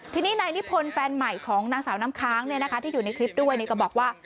ทีนี้ในนิพลแฟนใหม่ของนางสาวน้ำค้างเนี่ยนะคะที่อยู่ในคลิปด้วยก็บอกว่า